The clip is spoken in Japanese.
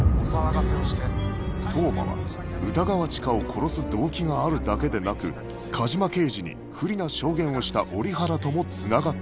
当麻は歌川チカを殺す動機があるだけでなく梶間刑事に不利な証言をした折原とも繋がっていた